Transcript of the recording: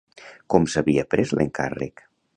Com s'havia pres l'encàrrec?